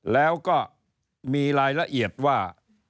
แล้วก็มีรายละเอียดว่า